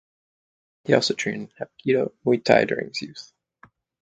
He also trained in Hapkido and Muay Thai during his youth.